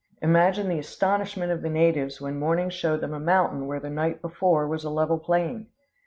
Imagine the astonishment of the natives when morning showed them a mountain where the night before was a level plain!